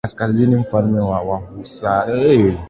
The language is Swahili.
kaskazini falme za Wahausa na Songhai ambazo zilitawaliwa na